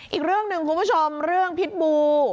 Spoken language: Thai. อีกเรื่องหนึ่งคุณผู้ชมเรื่องพิษบู